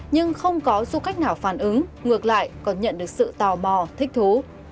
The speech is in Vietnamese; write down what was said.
nhưng không có du khách nào phản ứng ngược lại còn nhận được sự tò mò thích thú